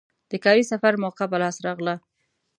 د کاري سفر موکه په لاس راغله.